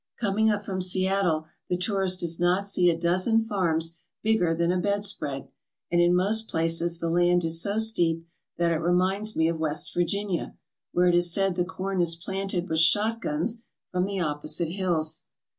Coming up from Seattle the tourist does not see a dozen farms bigger than a bedspread; and in most places the land is so steep that it reminds me of West Virginia, where it is said the corn is planted with shotguns from the opposite hills.